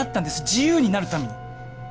自由になるために。